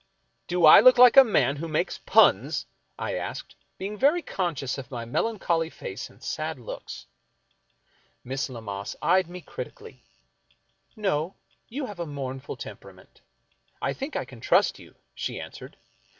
" Do I look like a man who makes puns ?" I asked, being very conscious of my melancholy face and sad looks. Miss Lammas eyed me critically. " No ; you have a mournful temperament. I think I can trust you," she answered.